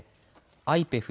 ＩＰＥＦ